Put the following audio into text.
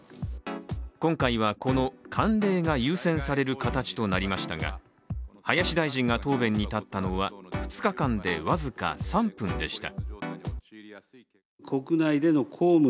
今回は、この慣例が優先される形となりましたが、林大臣が答弁に立ったのは２日間で僅か３分でした。